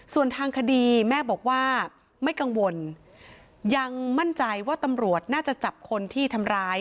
ส่วนทางคดีแม่บอกว่าไม่กังวลยังมั่นใจว่าตำรวจน่าจะจับคนที่ทำร้าย